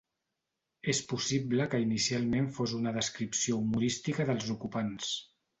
És possible que inicialment fos una descripció humorística dels ocupants.